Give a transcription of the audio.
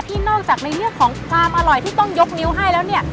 นอกจากในเรื่องของความอร่อยที่ต้องยกนิ้วให้แล้วเนี่ย